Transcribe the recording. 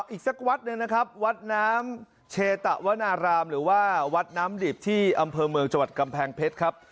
อีกสักวัดหนึ่งนะครับวัดน้ำเชตะวนารามหรือว่าวัดน้ำดิบที่อำเภอเมืองจังหวัดกำแพงเพชรครับ